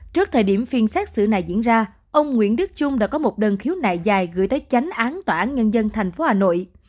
trước thời điểm phiên xét xử này diễn ra ông nguyễn đức trung đã có một đơn khiếu nại dài gửi tới tránh án tòa án nhân dân tp hà nội